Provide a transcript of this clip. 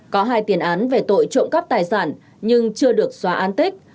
có hai tiền án về tội trộm cắp tài sản nhưng chưa được xóa an tích